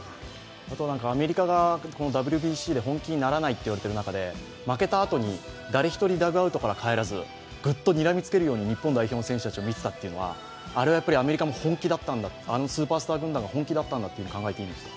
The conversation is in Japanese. アメリカがこのＷＢＣで本気にならないと言われている中で、負けたあとに、誰一人ダグアウトから帰らずグッとにらみつけるように日本代表の選手を見ていたというのはアメリカも本気だったんだ、あのスーパースター軍団が本気だったんだと考えていいですか？